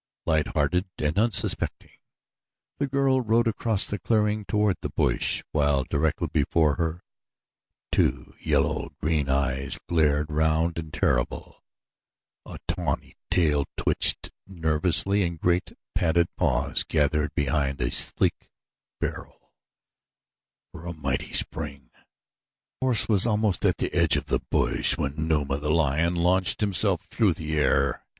Light hearted and unsuspecting, the girl rode across the clearing toward the bush while directly before her two yellow green eyes glared round and terrible, a tawny tail twitched nervously and great, padded paws gathered beneath a sleek barrel for a mighty spring. The horse was almost at the edge of the bush when Numa, the lion, launched himself through the air.